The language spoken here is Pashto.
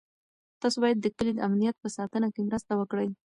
تاسو باید د کلي د امنیت په ساتنه کې مرسته وکړئ.